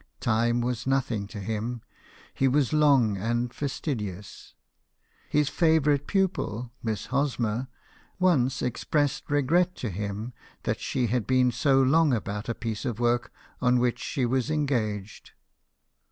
Time was nothing to him ; he was long and fastidious." His favourite pupil, Miss Hosmer, once expressed regret to him that she had been so long about a piece of work on which she was engaged.